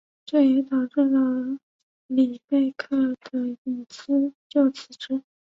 这也导致了里贝克的引咎辞职。